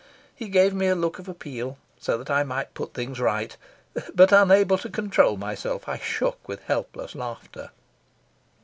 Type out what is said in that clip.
He gave me a look of appeal, so that I might put things right, but, unable to control myself, I shook with helpless laughter.